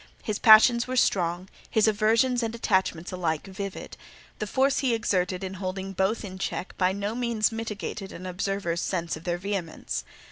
His passions were strong, his aversions and attachments alike vivid; the force he exerted in holding both in check by no means mitigated an observer's sense of their vehemence.